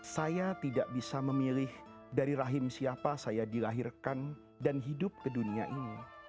saya tidak bisa memilih dari rahim siapa saya dilahirkan dan hidup ke dunia ini